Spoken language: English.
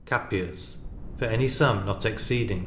Capias, for any sum not exceeding 30l.